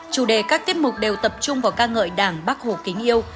chủ đề các tiết mục đều tập trung vào ca ngợi đảng bác hồ kính yêu